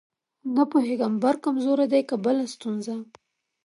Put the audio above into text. نه پوهېږم برق کمزورې دی که بله ستونزه.